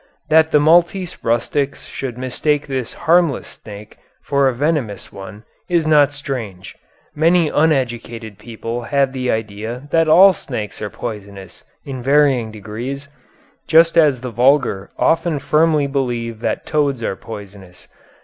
That the Maltese rustics should mistake this harmless snake for a venomous one is not strange. Many uneducated people have the idea that all snakes are poisonous in varying degrees, just as the vulgar often firmly believe that toads are poisonous.